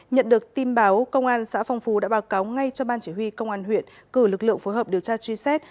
nhận được tin báo công an xã phong phú đã báo cáo ngay cho ban chỉ huy công an huyện cử lực lượng phối hợp điều tra truy xét